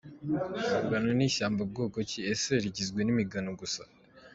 Urugano ni ishyamba bwoko ki ? Ese rigizwe n’imigano gusa ?.